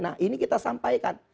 nah ini kita sampaikan